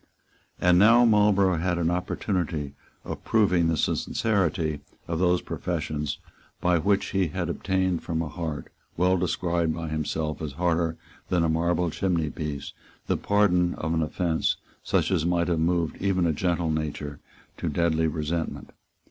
And now Marlborough had an opportunity of proving the sincerity of those professions by which he had obtained from a heart, well described by himself as harder than a marble chimneypiece, the pardon of an offence such as might have moved even a gentle nature to deadly resentment.